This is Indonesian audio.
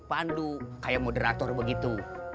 pandu kayak moderator begitu